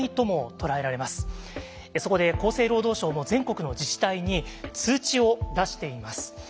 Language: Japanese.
そこで厚生労働省も全国の自治体に通知を出しています。